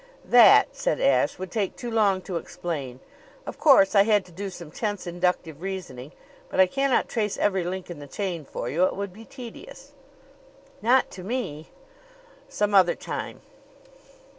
"That," said Ashe, "would take too long to explain. Of course I had to do some tense inductive reasoning; but I cannot trace every link in the chain for you. It would be tedious." "Not to me." "Some other time."